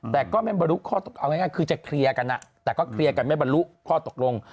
แต่ก็ไม่บรรลุข้อตกเอาง่ายคือจะเคลียร์กันแต่ก็เคลียร์กันไม่บรรลุข้อตกลง